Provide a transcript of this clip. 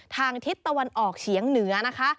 ทางทิศตะวันออกเฉียงเหนือนะคะ